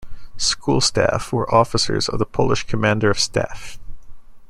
School staff were officers of the Polish Commander of Staff.